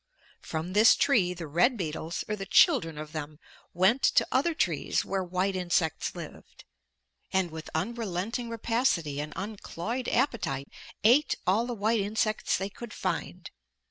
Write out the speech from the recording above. From this tree the red beetles, or the children of them, went to other trees where white insects lived, and with unrelenting rapacity and uncloyed appetite ate all the white insects they could find.